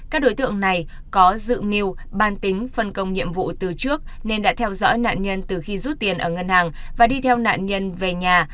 các đối tượng này có dự miu ban tính phân công nhiệm vụ từ trước nên đã theo dõi nạn nhân từ khi rút tiền ở ngân hàng và đi theo nạn nhân về nhà